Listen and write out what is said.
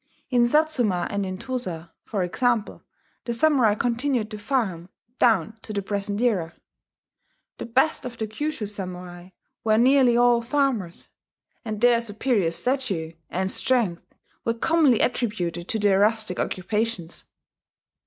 In Satsuma and in Tosa, for example, the samurai continued to farm down to the present era: the best of the Kyushu samurai were nearly all farmers; and their superior stature and strength were commonly attributed to their rustic occupations.